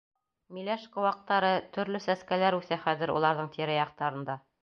Миләш ҡыуаҡтары, төрлө сәскәләр үҫә хәҙер уларҙың тирә-яҡтарында.